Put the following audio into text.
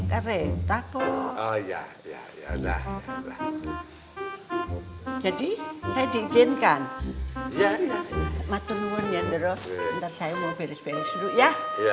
karet takut ya ya ya udah jadi saya diizinkan matungnya terus entar saya mau beres beres ya